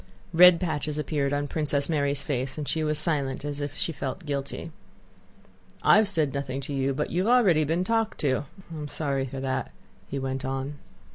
Red patches appeared on Princess Mary's face and she was silent as if she felt guilty. "I have said nothing to you, but you have already been talked to. And I am sorry for that," he went on.